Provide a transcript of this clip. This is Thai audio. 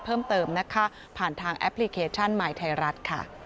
เพิ่มเติมผ่านทางแอปพลิเคชั่นหมายไทยรัฐ